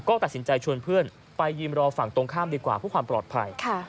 ก็ตัดสินใจชวนเพื่อนไปยืนรอฝั่งตรงข้ามดีกว่าเพื่อความปลอดภัย